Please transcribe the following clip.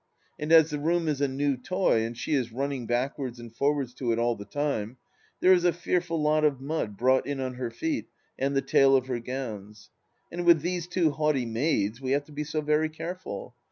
And as the room is a new toy and she is running backwards and forwards to it all the time, there is a fearful lot of mud brought in on her feet and the tail of her gowns. And with these two haughty maids, we have to be so very careful.